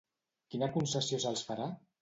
Quina concessió se'ls farà?